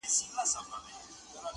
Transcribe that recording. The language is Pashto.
ما خو ستا څخه څو ځله اورېدلي!.